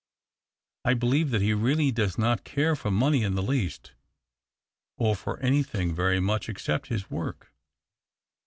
I believe that he really does not care for money in the least — or for anything very much except his work."